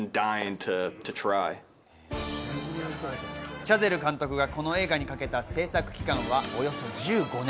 チャゼル監督がこの映画にかけた制作期間は、およそ１５年。